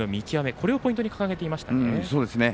これをポイントに掲げていましたね。